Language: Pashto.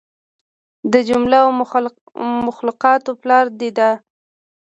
د جمله و مخلوقاتو پلار دى دا.